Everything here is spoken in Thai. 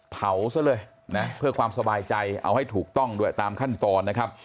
เผาซะเลยนะเพื่อความสบายใจเอาให้ถูกต้องด้วยตามขั้นตอนนะครับ